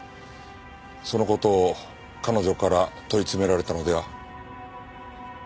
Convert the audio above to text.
その事を彼女から問い詰められたのでは？